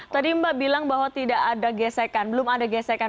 tadi mbak bilang bahwa tidak ada gesekan belum ada gesekan